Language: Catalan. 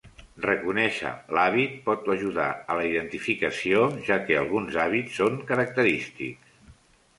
Reconèixer l'hàbit pot ajudar a la identificació, ja que alguns hàbits són característics.